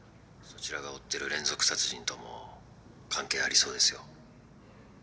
そちらが追ってる連続殺人とも関係ありそうですよ。